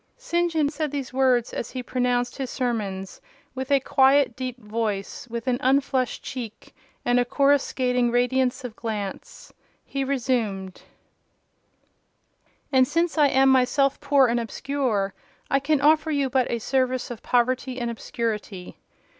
'" St. John said these words as he pronounced his sermons, with a quiet, deep voice; with an unflushed cheek, and a coruscating radiance of glance. He resumed— "And since I am myself poor and obscure, I can offer you but a service of poverty and obscurity.